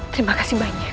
terima kasih banyak